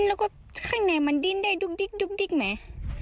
แล้วก็ข้างในมันดิ้นได้ดุ๊กดิ๊กไหม